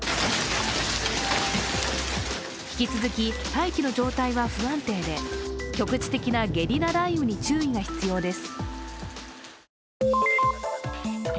引き続き大気の状態は不安定で局地的なゲリラ雷雨に注意が必要です。